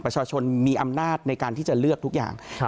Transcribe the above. ประชาชนมีอำนาจในการที่จะเลือกทุกอย่าง